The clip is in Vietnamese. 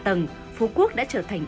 hạ tầng phú quốc đã trở thành